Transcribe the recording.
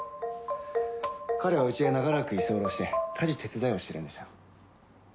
彼はうちで長らく居候して家事手伝いをしてるんですよ。